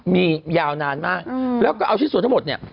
มียาวนานมากแล้วก็เอาชิ้นส่วนทั้งหมดเนี่ย